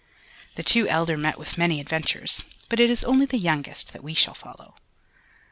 The two elder met with many adventures, but it is only the youngest that we shall follow.